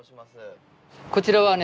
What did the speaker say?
こちらはね